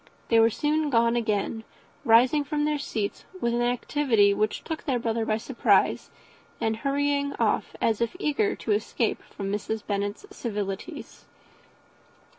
They were soon gone again, rising from their seats with an activity which took their brother by surprise, and hurrying off as if eager to escape from Mrs. Bennet's civilities.